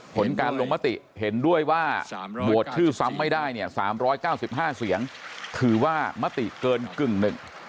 ผลการลงมติเห็นด้วยว่าโหวตชื่อซ้ำไม่ได้เนี่ย๓๙๕เสียงถือว่ามติเกินกึ่งหนึ่ง